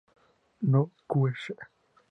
no cuece